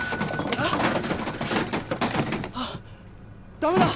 ダメだ！